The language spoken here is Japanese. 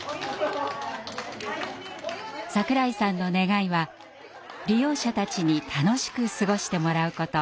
櫻井さんの願いは利用者たちに楽しく過ごしてもらうこと。